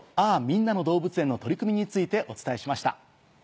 みんなの動物園』の取り組みについてお伝えしました。